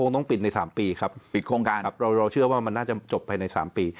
ต้องปิดใน๓ปีครับเราเชื่อว่ามันน่าจะจบไปใน๓ปี